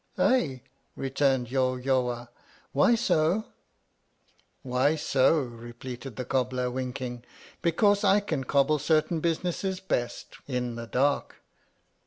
Ay ! returned Yawyawah ; why so ? Why so ! repeated the cobbler, winking, be cause I can cobble certain businesses, best, in the dark.